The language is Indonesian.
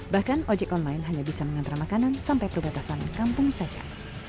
bahkan ojek online hanya bisa mengantar makanan sampai perbatasan kampung saja